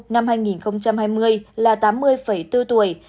năm hai nghìn hai mươi là tám mươi bốn tuổi